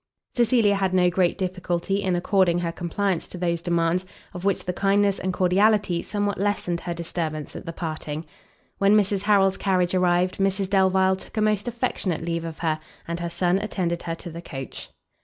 Cecilia had no great difficulty in according her compliance to those demands, of which the kindness and cordiality somewhat lessened her disturbance at the parting. When Mrs Harrel's carriage arrived, Mrs Delvile took a most affectionate leave of her, and her son attended her to the coach.